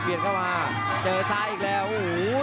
เข้ามาเจอซ้ายอีกแล้วโอ้โห